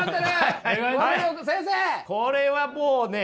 これはもうね。